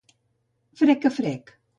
Frec a frec.